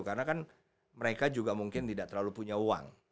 karena kan mereka juga mungkin tidak terlalu punya uang